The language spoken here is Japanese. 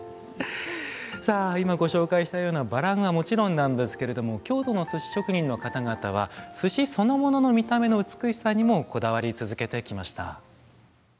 さあ今ご紹介したようなバランはもちろんなんですけれども京都の寿司職人の方々は寿司そのものの見た目の美しさにもこだわり続けてきました。